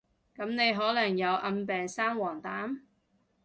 噉你可能有暗病生黃疸？